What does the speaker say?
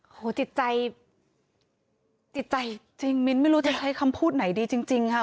โอ้โหจิตใจจิตใจจริงมิ้นไม่รู้จะใช้คำพูดไหนดีจริงค่ะ